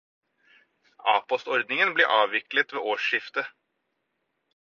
A-postordningen blir avviklet ved årsskiftet.